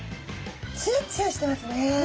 ツヤツヤしてますね。